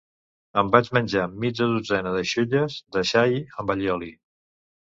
Em vaig menjar mitja dotzena de xulles de xai amb allioli.